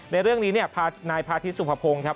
ในเรื่องนี้นายพาธิสุภพงศ์ครับ